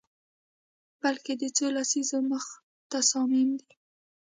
بلکه د څو لسیزو مخه تصامیم دي